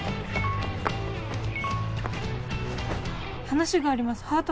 「話があります」。